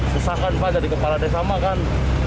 susah kan pak jadi kepala desa mah kan